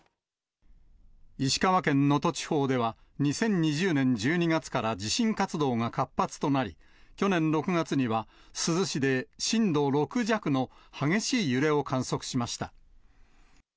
石川県能登地方では、２０２０年１２月から地震活動が活発となり、去年６月には珠洲市で震度６弱の激しい揺れを観測しました。